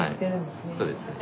そうですね。